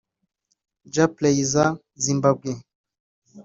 Jah Prayzah (Zimbabwe)